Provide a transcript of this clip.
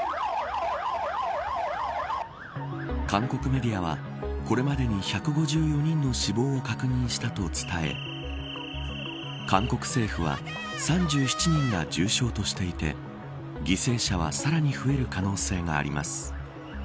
韓国メディアはこれまでに１５４人の死亡を確認したと伝え韓国政府は３７人が重傷としていて犠牲者は、さらに増える可能性があります。